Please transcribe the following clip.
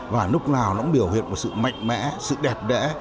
và lúc nào nó cũng biểu hiện một sự mạnh mẽ sự đẹp đẽ